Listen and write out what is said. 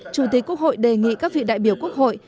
chủ tịch quốc hội đề nghị các vị đại biểu quốc hội